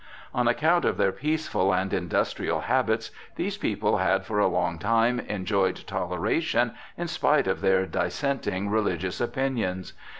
On account of their peaceful and industrial habits, these people had for a long time enjoyed toleration in spite of their dissenting religious opinions.